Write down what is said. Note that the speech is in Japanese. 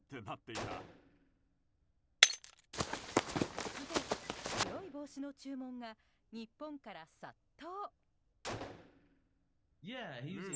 突然、黒い帽子の注文が日本から殺到。